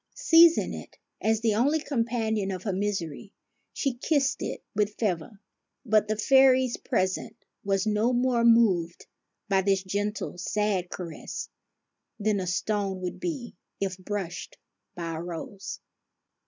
Seizing it, as the only companion of her misery, she kissed it with fervor; but the fairy's present was no more moved by this gentle sad caress than a stone would be if brushed by a rose.